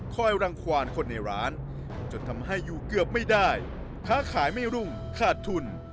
รังความคนในร้านจนทำให้อยู่เกือบไม่ได้ค้าขายไม่รุ่งขาดทุน